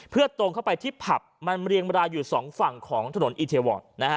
เพื่อตรงเข้าไปที่ผับมันเรียงรายอยู่สองฝั่งของถนนอีเทวอน